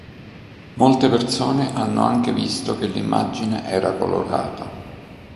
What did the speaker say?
Molte persone hanno anche visto che l'immagine era colorata.